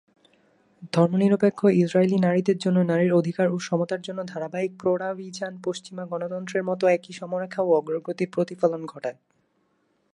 ধর্মনিরপেক্ষ ইসরায়েলি নারীদের জন্য নারীর অধিকার ও সমতার জন্য ধারাবাহিক প্রচারাভিযান পশ্চিমা গণতন্ত্রের মতো একই সময়রেখা ও অগ্রগতির প্রতিফলন ঘটায়।